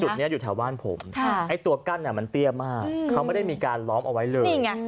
นี้อยู่แถวบ้านผมไอ้ตัวกั้นมันเตี้ยมากเขาไม่ได้มีการล้อมเอาไว้เลย